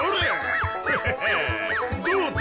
どうだ？